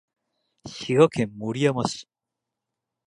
滋賀県守山市